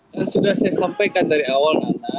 dan sudah saya sampaikan dari awal karena